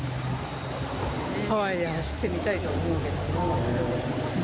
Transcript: ハワイで走ってみたいと思うけれども。